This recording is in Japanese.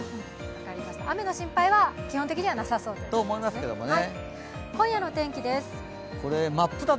雨の心配は基本的にはなさそうですね。